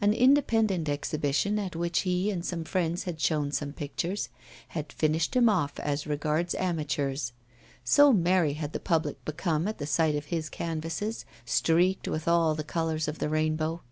An independent exhibition at which he and some friends had shown some pictures, had finished him off as regards amateurs so merry had the public become at the sight of his canvases, streaked with all the colours of the rainbow.